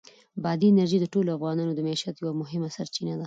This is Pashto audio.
بادي انرژي د ټولو افغانانو د معیشت یوه مهمه سرچینه ده.